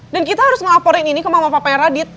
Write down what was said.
dan kita harus ngelaporin ini ke mama papa radit